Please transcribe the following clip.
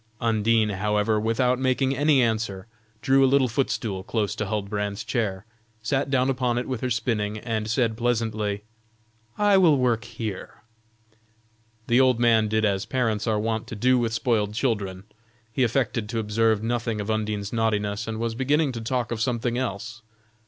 Undine, however, without making any answer drew a little footstool close to Huldbrand's chair, sat down upon it with her spinning, and said pleasantly: "I will work here." The old man did as parents are wont to do with spoiled children. He affected to observe nothing of Undine's naughtiness and was beginning to talk of something else.